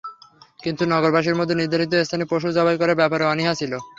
কিন্তু নগরবাসীর মধ্যে নির্ধারিত স্থানে পশু জবাই করার ব্যাপারে অনীহা ছিল।